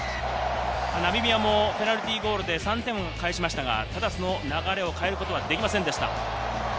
ナミビアもペナルティーゴールで３点を返しましたが、流れを変えることはできませんでした。